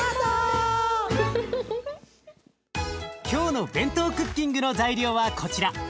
今日のＢＥＮＴＯクッキングの材料はこちら。